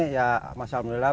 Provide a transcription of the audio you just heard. ya masya allah